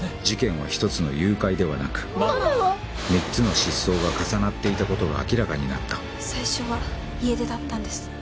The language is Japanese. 事件は１つの誘拐ではなくママは⁉３つの失踪が重なっていたことが明らかになった最初は家出だったんです。